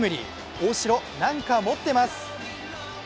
大城、何か持ってます。